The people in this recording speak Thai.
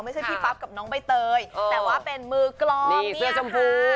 ไม่ใช่พี่ปั๊บกับน้องใบเตยแต่ว่าเป็นมือกรอบนี่เสื้อชมพู